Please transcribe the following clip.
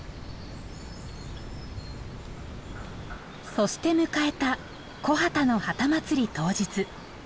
そして迎えた木幡の幡祭り当日。